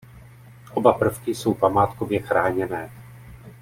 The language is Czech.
Oba prvky jsou památkově chráněné.